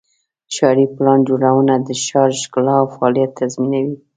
ښاري پلان جوړونه د ښار ښکلا او فعالیت تضمینوي.